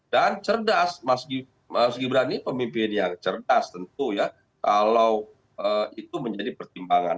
dan cerdas mas gibran ini pemimpin yang cerdas tentu ya kalau itu menjadi pertimbangan